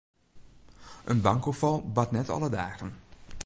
In bankoerfal bart net alle dagen.